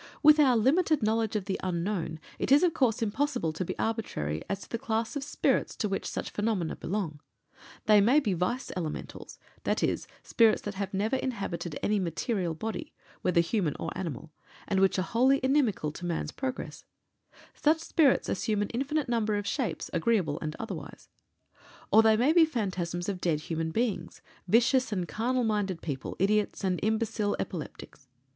With our limited knowledge of the Unknown it is, of course, impossible to be arbitrary as to the class of spirits to which such phenomena belong. They may be Vice Elementals, i.e., spirits that have never inhabited any material body, whether human or animal, and which are wholly inimical to man's progress such spirits assume an infinite number of shapes, agreeable and otherwise; or they may be phantasms of dead human beings vicious and carnal minded people, idiots, and imbecile epileptics.